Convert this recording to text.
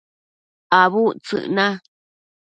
Abudtsëc na